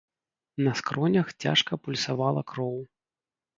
На скронях цяжка пульсавала кроў.